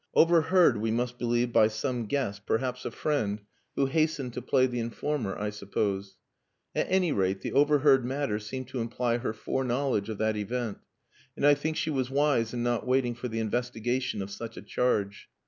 Overheard, we must believe, by some guest, perhaps a friend, who hastened to play the informer, I suppose. At any rate, the overheard matter seemed to imply her foreknowledge of that event, and I think she was wise in not waiting for the investigation of such a charge.